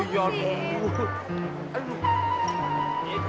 ya yuk yuk yuk yuk